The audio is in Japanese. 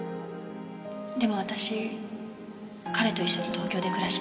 でも私彼と一緒に東京で暮らします。